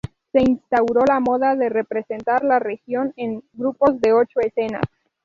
Se instauró la moda de representar la región en grupos de ocho escenas.